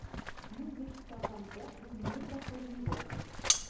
Músics toquen prop d'un mur de formigó.